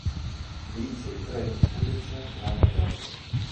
Vinse il Premio Pulitzer l'anno dopo.